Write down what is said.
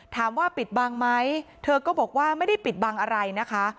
ถามว่าปิดบังไหมเธอก็บอกว่าไม่ได้ปิดบังอะไรนะคะ